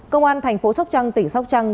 công an thành phố sóc trăng tỉnh sóc trăng